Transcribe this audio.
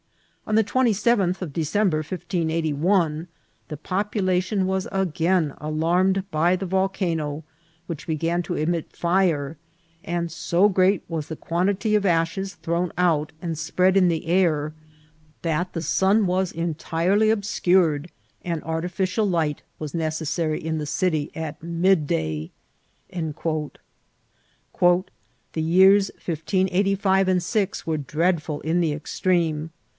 On the 27th of December, 1581, the pop ulation was again alarmed by the volcano, which began to emit fire ; and so great was the quantity of ashes thrown out and spread in the air, that the sun was en tirely obscured, and artificial li^t was necessary in the city at midday." " The years 1585 and 6 were dreadful in the ex treme.